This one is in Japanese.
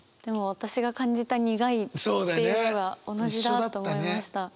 私が感じた「苦い」っていうのが同じだと思いました。